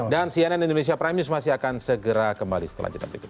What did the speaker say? dan cnn indonesia prime news masih akan segera kembali setelah kita berikut